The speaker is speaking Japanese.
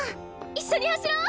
一緒に走ろう！